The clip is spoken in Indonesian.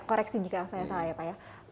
koreksi jika saya salah ya pak ya